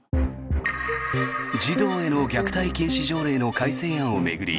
児童への虐待禁止条例の改正案を巡り